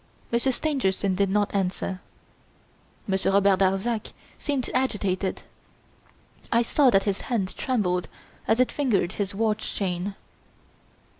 Monsieur Stangerson did not answer. Monsieur Robert Darzac seemed agitated. I saw that his hand trembled as it fingered his watchchain.